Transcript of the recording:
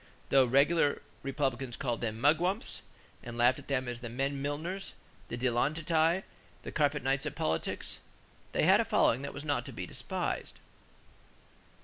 Though the "regular" Republicans called them "Mugwumps" and laughed at them as the "men milliners, the dilettanti, and carpet knights of politics," they had a following that was not to be despised.